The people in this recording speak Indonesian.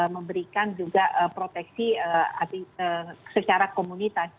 memberikan juga proteksi secara komunitas